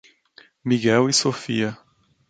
Miguel e Sophia